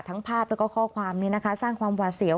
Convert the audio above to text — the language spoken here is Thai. ทั้งภาพแล้วก็ข้อความนี่สร้างความหวะเสียว